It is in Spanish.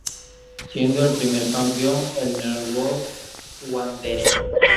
Siendo el primer campeón, el Norwood Wanderers.